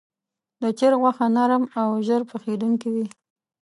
د چرګ غوښه نرم او ژر پخېدونکې وي.